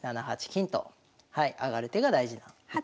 ７八金と上がる手が大事なんです。